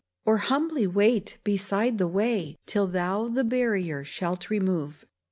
Or humbly wait beside the way Till thou the barrier shalt remove ?